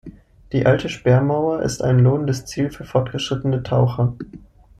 Die alte Sperrmauer ist ein lohnendes Ziel für fortgeschrittene Taucher.